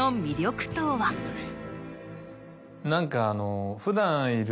何かあの。